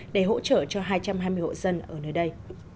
để hỗ trợ cho hai trăm hai mươi hộ dân ở nơi đây